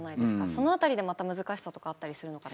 その辺りでまた難しさとかあったりするのかなっていう。